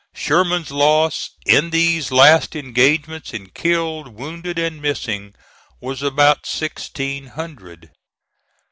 Sherman's loss in these last engagements in killed, wounded, and missing, was about sixteen hundred.